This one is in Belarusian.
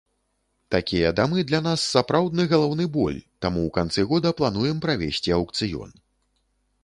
Такія дамы для нас сапраўдны галаўны боль, таму ў канцы года плануем правесці аўкцыён.